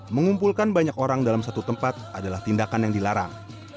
mengumpulkan banyak orang dalam satu tempat adalah tindakan yang dilarang